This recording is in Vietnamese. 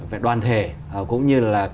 về đoàn thể cũng như là